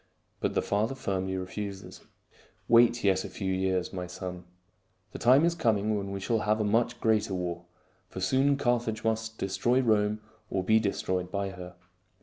But the father firmly refuses. " Wait yet a few years, my son. The time is coming when we shall have a much greater war; for soon Carthage must destroy Rome or be destroyed by her.